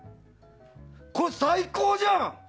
これ、最高じゃん！